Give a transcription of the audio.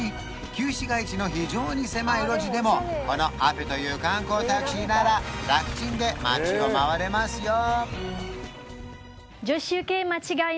旧市街地の非常に狭い路地でもこのアペという観光タクシーなら楽ちんで街を回れますよ